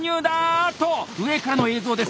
おっと上からの映像です。